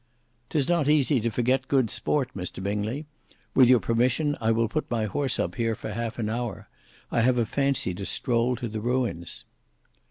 "'Tis not easy to forget good sport, Mr Bingley. With your permission, I will put my horse up here for half an hour. I have a fancy to stroll to the ruins."